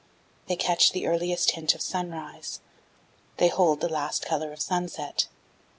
They catch the earliest hint of sunrise, they hold the last color of sunset.